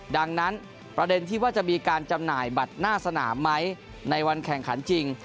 ดังนั้นประเด็นที่ว่าจะมีการจำหน่ายบัตรหน้าสนามไหมในวันแข่งขันจริง